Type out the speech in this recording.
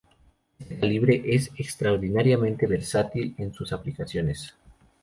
Este calibre es extraordinariamente versátil en sus aplicaciones.